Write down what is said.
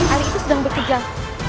aliku sedang berkejar